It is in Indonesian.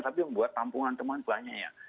tapi membuat tampungan tampungan banyak